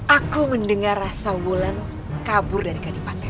aku mendengar rasa wulan kabur dari kehidupannya